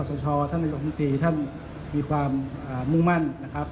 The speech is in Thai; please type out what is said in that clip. สชท่านนายกรรมตรีท่านมีความมุ่งมั่นนะครับ